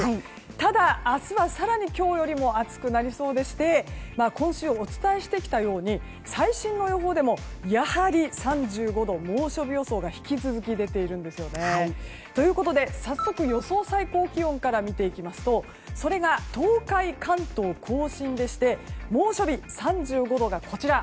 ただ、明日は更に今日よりも暑くなりそうでして今週、お伝えしてきたように最新の予報でもやはり３５度、猛暑日予想が引き続き出ているんですよね。ということで、早速予想最高気温から見ていきますとそれが東海、関東・甲信でして猛暑日３５度がこちら